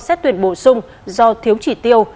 xét tuyển bổ sung do thiếu chỉ tiêu